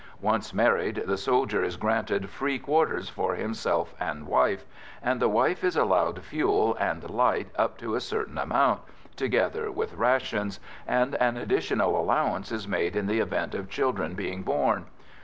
Once married, the soldier is granted free quarters for himself and wife, and the wife is allowed fuel and light up to a certain amount, together with rations, and an additional allowance is made in the event of children being born.